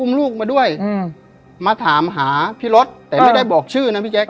ลูกมาด้วยอืมมาถามหาพี่รถแต่ไม่ได้บอกชื่อนะพี่แจ๊ค